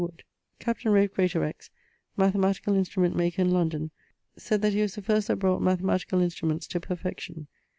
Wood. Captain Ralph Gretorex, mathematical instrument maker in London, sayd that he was the first that brought mathematicall instruments to perfection.